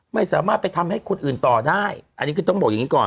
ไม่สามารถไปทำให้คนอื่นต่อได้อันนี้คือต้องบอกอย่างนี้ก่อน